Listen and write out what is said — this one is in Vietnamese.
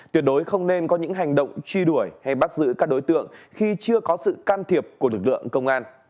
tuyệt đối không nên có những hành động truy đuổi hay bắt giữ các đối tượng khi chưa có sự can thiệp của lực lượng công an